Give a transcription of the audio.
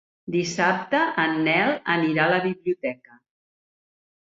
Dissabte en Nel anirà a la biblioteca.